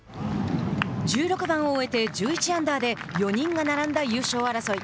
１６番を終えて１１アンダーで４人が並んだ優勝争い。